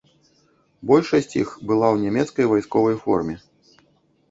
Большасць іх была ў нямецкай вайсковай форме.